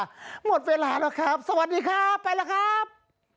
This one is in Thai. หมดเวลาแล้วครับสวัสดีครับไปแล้วครับ